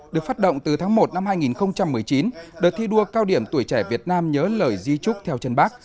được phát động từ tháng một năm hai nghìn một mươi chín đợt thi đua cao điểm tuổi trẻ việt nam nhớ lời di trúc theo chân bác